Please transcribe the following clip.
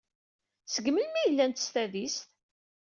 Seg melmi ay llant s tadist?